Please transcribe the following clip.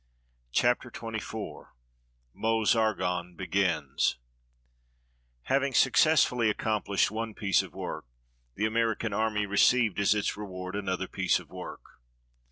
CHAPTER XXIV MEUSE ARGONNE BEGINS Having successfully accomplished one piece of work, the American Army received as its reward another piece of work.